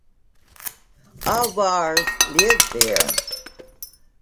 Avars live there.